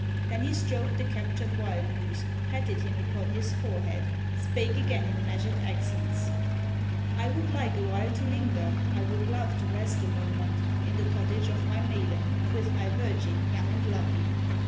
Then he stroked the captured wild moose, Patted him upon his forehead, Spake again in measured accents: "I would like awhile to linger, I would love to rest a moment In the cottage of my maiden, With my virgin, young and lovely."